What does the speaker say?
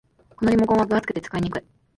このリモコンは分厚くて使いにくい